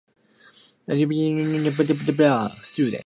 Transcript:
Schools have also taken action for the sake of students.